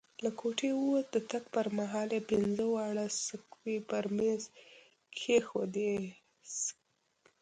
له کوټې ووت، د تګ پر مهال یې پینځه واړه سکوې پر میز کښېښودې.